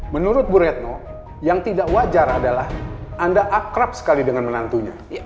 menurut bu retno yang tidak wajar adalah anda akrab sekali dengan menantunya